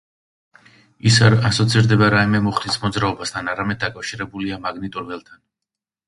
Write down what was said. ის არ ასოცირდება რაიმე მუხტის მოძრაობასთან, არამედ დაკავშირებულია მაგნიტურ ველთან.